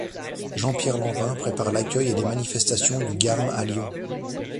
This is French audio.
Jean-Pierre Lanvin prépare l'accueil et les manifestations du Garm à Lyon.